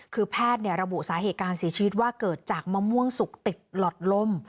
คือแพทย์ระบุสาเหตุการเสียชีวิตว่าเกิดจากมะม่วงสุกติดหลอดลม